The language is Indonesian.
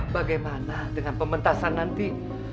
bagaimana dengan pementasan nanti